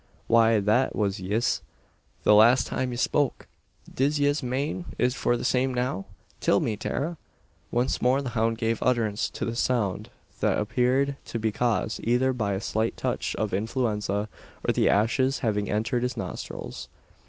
"Why, that was yis, the last time ye spoke! Div yez mane is for the same now? Till me, Tara!" Once more the hound gave utterance to the sound that appeared to be caused either by a slight touch of influenza, or the ashes having entered his nostrils.